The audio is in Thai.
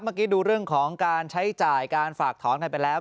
เมื่อกี้ดูเรื่องของการใช้จ่ายการฝากถอนกันไปแล้ว